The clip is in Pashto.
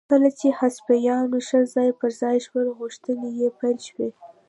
کله چې هسپانویان ښه ځای پر ځای شول غوښتنې یې پیل شوې.